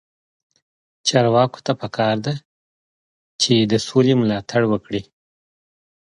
چارواکو ته پکار ده چې، سوله ملاتړ وکړي.